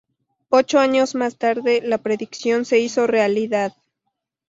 Ocho años más tarde, la predicción se hizo realidad.